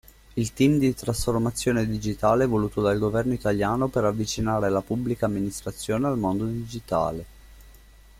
Il team di trasformazione digitale voluto dal Governo italiano per avvicinare la pubblica amministrazione al mondo digitale.